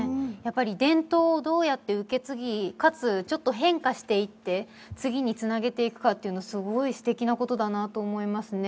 伝統をどうやって受け継ぎ、かつちょっと変化していって次につなげていくかというのは、すごいすてきなことだなと思いますね。